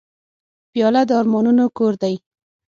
پیاله د ارمانونو کور دی.